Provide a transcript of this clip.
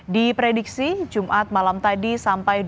di prediksi jumat malam tadi sampai pada